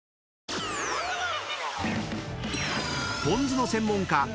［ぽん酢の専門家